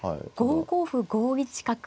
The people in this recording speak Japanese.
５五歩５一角